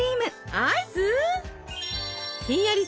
アイス？